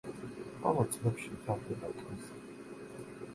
ბოლო წლებში ვითარდება ტურიზმი.